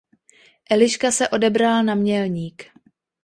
Eliška se odebrala na Mělník.